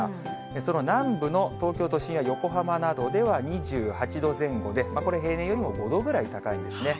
その南部の東京都心や横浜などでは２８度前後で、これ、平年よりも５度ぐらい高いんですね。